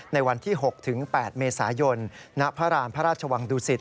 ในวันที่๖๘เมษายนณพระราณพระราชวังดุสิต